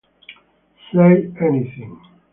Say Anything